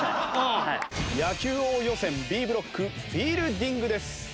野球王予選Ｂブロックフィールディングです。